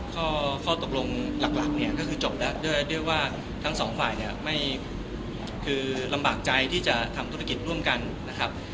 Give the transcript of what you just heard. ข้อตกลงหลักเนี่ยก็คือจบแล้วด้วยว่าทั้งสองฝ่ายเนี่ยไม่คือลำบากใจที่จะทำธุรกิจร่วมกันนะครับ